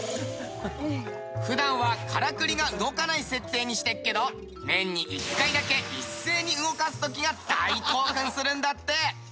普段はからくりが動かない設定にしてっけど年に１回だけ一斉に動かす時が大興奮するんだって！